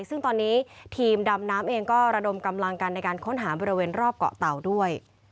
ซึ่งตอนนี้ทีมดำน้ำเองก็ระดมกำลังกันในการค้นหาบริเวณรอบเกาะเตาด้วย